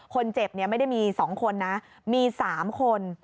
คนเจ็บไม่ได้มี๒คนนะมี๓คน